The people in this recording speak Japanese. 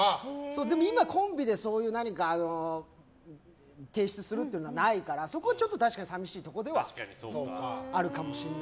でも、今はコンビでそういう提出するというのはないからそこはちょっと寂しいところではあるかもしれない。